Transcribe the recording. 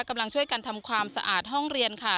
กำลังช่วยกันทำความสะอาดห้องเรียนค่ะ